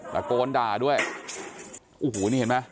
และโกนด่าด้วยโอ้โหนี่เห็นมั้ย